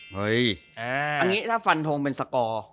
เฮ้ยอันนี้ถ้าฟันทงเป็นสกอร์